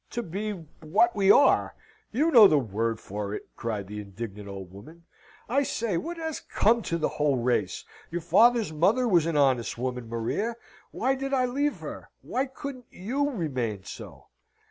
To be what we are! You know the word for it!" cried the indignant old woman. "I say, what has come to the whole race? Your father's mother was an honest woman, Maria. Why did I leave her? Why couldn't you remain so?"